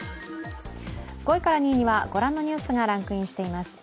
５位から２位には、ご覧のニュースがランクインしています。